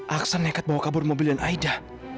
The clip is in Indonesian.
aksan nekat bawa kabur mobil dan aida